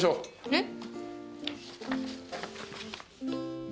えっ！